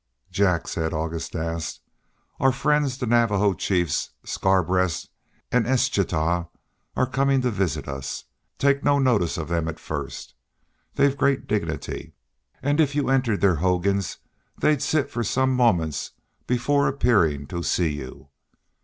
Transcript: "Jack," said August Naab, "our friends the Navajo chiefs, Scarbreast and Eschtah, are coming to visit us. Take no notice of them at first. They've great dignity, and if you entered their hogans they'd sit for some moments before appearing to see you.